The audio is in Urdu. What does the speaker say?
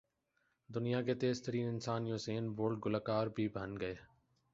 دنیا کے تیز ترین انسان یوسین بولٹ گلو کار بھی بن گئے